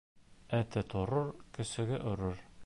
Эте торор, көсөгө өрөр.